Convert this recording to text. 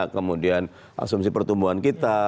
kemudian asumsi pertumbuhan kita